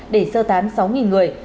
để sơ tán sáu người